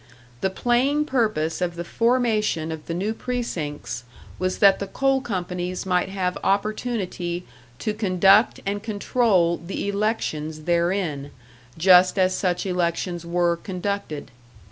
The plain purpose of the formation of the new precincts was that the coal companies might have opportunity to conduct and control the elections therein, just as such elections were conducted.